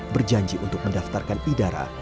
berjanji untuk mendaftarkan idara